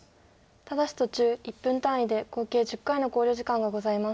ただし途中１分単位で合計１０回の考慮時間がございます。